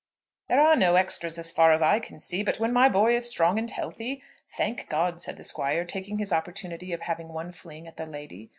"There are no extras, as far as I can see. But then my boy is strong and healthy, thank God," said the squire, taking his opportunity of having one fling at the lady.